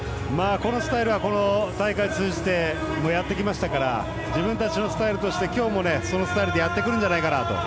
このスタイルはこの大会を通じてやってきましたから自分たちのスタイルとして今日もやってくるんじゃないかなと。